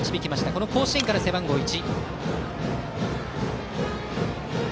この甲子園から背番号１。